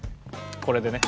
これでね。